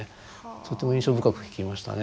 とっても印象深く聞きましたね。